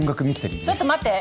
ちょっと待って！